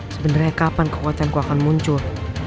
sebenarnya kapan kekuatanku akan muncul